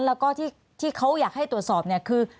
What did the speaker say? แล้วก็ที่เขาอยากให้ตรวจสอบเนี่ยคือ